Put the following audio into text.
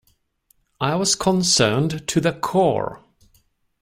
I was concerned to the core.